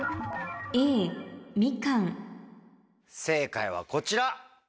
正解はこちら。